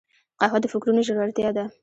قهوه د فکرونو ژورتیا ده